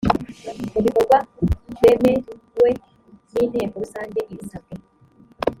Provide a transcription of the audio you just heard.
mu bikorwa bemewe n inteko rusange ibisabwe